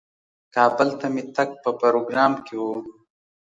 کابل ته مې تګ په پروګرام کې و.